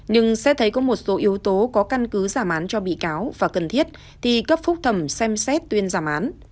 nhưng xét thấy có một số yếu tố có căn cứ giảm án cho bị cáo và cần thiết thì cấp phúc thẩm xem xét tuyên giảm án